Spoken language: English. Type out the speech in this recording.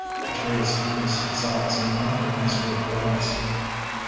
The trees decrease in size and number as we advance.